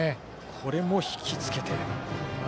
これも引きつけて。